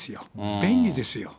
便利ですよ。